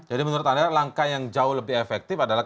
menurut anda langkah yang jauh lebih efektif adalah